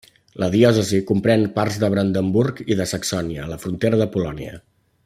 La diòcesi comprèn parts de Brandenburg i de Saxònia, a la frontera de Polònia.